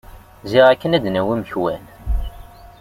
Ziɣ akken ad d-nawi imekwan.